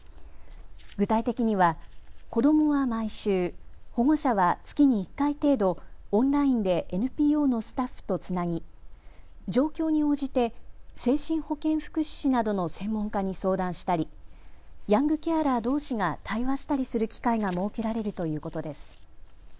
具体的には子どもは毎週、保護者は月に１回程度、オンラインでＮＰＯのスタッフとつなぎ状況に応じて精神保健福祉士などの専門家に相談したりヤングケアラーどうしが対話したりする機会が設けられるということです。